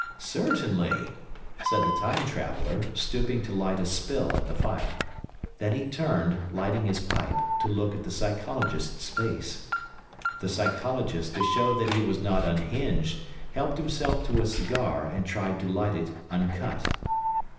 "Certainly," said the Time Traveller, stooping to light a spill at the fire. Then he turned, lighting his pipe, to look at the Psychologist's face. (The Psychologist, to show that he was not unhinged, helped himself to a cigar and tried to light it uncut.)